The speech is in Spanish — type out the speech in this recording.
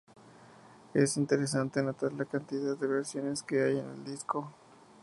Es interesante notar la cantidad de versiones que hay en el disco.